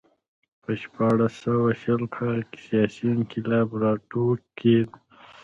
په شپاړس سوه شل کال کې سیاسي انقلاب راوټوکېد